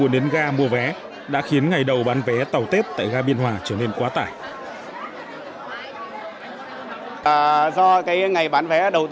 để chuẩn bị bán vé tàu tết canh tí hai nghìn hai mươi ga biên hòa đã mở thêm đến bốn cửa vé để phục vụ hành khách